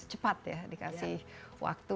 cepat ya dikasih waktu